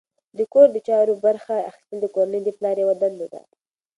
د کور د چارو برخه اخیستل د کورنۍ د پلار یوه دنده ده.